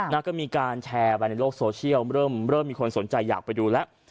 แล้วก็มีการแชร์ไปในโลกโซเชียลเริ่มมีคนสนใจอยากไปดูแล้ว